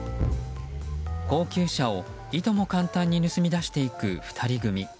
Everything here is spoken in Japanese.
高級車を、いとも簡単に盗み出していく２人組。